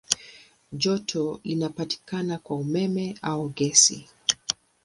Joto linapatikana kwa umeme au gesi.